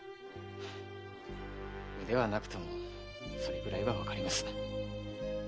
はっ腕はなくてもそれぐらいはわかります。